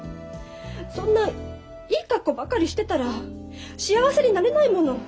そんないいかっこばかりしてたら幸せになれないもの。